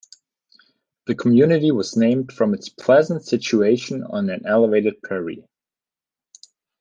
The community was named from its "pleasant situation on an elevated prairie".